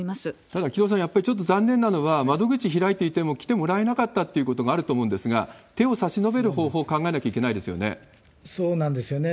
ただ、紀藤さん、やっぱりちょっと残念なのは、窓口開いていても来てもらえなかったっていうことがあると思うんですが、手を差し伸べる方法、そうなんですよね。